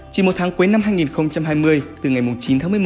chỉ một tháng cuối năm hai nghìn hai mươi từ ngày chín tháng năm